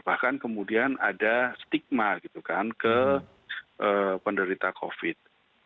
bahkan kemudian ada stigma gitu kan ke penderita covid